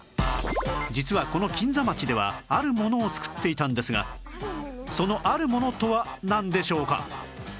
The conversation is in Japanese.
実はこの金座町ではあるものを作っていたんですがそのあるものとはなんでしょうか？